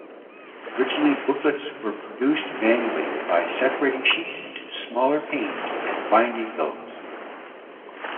Originally booklets were produced manually, by separating sheets into smaller panes and binding those.